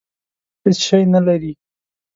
هېڅ شی نه لري.